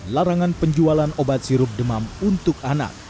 larangan penjualan obat sirup demam untuk anak